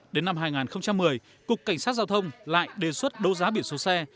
đến năm hai nghìn một mươi cục cảnh sát giao thông lại đề xuất đấu giá biển số xe